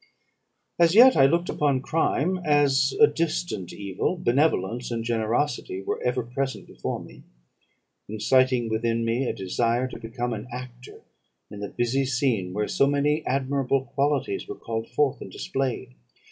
"As yet I looked upon crime as a distant evil; benevolence and generosity were ever present before me, inciting within me a desire to become an actor in the busy scene where so many admirable qualities were called forth and displayed.